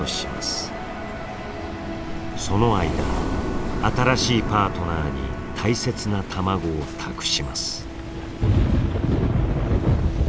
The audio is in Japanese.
その間新しいパートナーに大切な卵を託します。